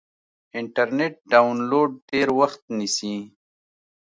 انټرنیټ ډاونلوډ ډېر وخت نیسي.